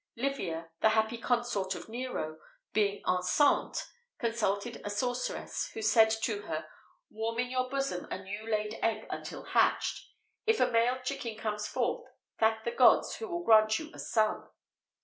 Livia, the happy consort of Nero, being enceinte, consulted a sorceress, who said to her, "warm in your bosom a new laid egg until hatched; if a male chicken comes forth, thank the gods, who will grant you a son."